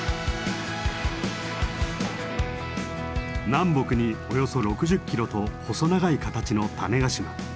南北におよそ６０キロと細長い形の種子島。